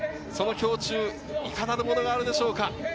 胸中、いかなるものがあるでしょうか。